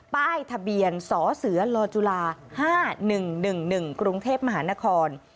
ป้ายทะเบียนสเสลจุฬา๕๑๑๑กรุงเทพมหานคร